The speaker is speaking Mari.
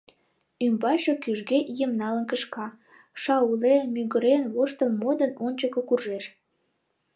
Ӱмбачше кӱжгӧ ийым налын кышка, шаулен, мӱгырен, воштыл-модын, ончыко куржеш.